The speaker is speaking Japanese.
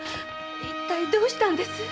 一体どうしたんです？